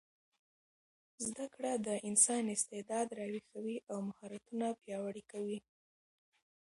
زده کړه د انسان استعداد راویښوي او مهارتونه پیاوړي کوي.